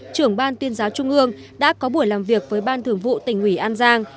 trưởng ban tuyên giáo trung ương đã có buổi làm việc với ban thường vụ tỉnh ủy an giang